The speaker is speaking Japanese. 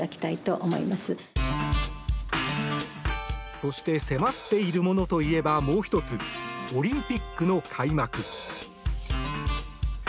そして迫っているものといえばもう１つオリンピックの開幕。